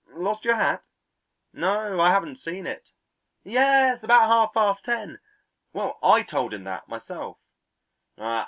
"Lost your hat? No, I haven't seen it." "Yes, about half past ten!" "Well, I told him that myself!"